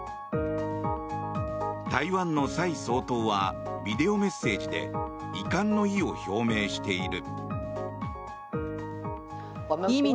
台湾の蔡総統はビデオメッセージで遺憾の意を表明している。